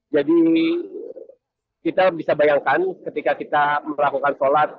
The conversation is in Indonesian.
jadi kita bisa bayangkan ketika kita melakukan sholat